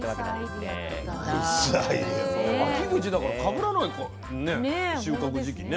秋口だからかぶらないかね収穫時期ね。